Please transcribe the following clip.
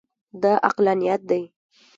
دا عقلانیت دی.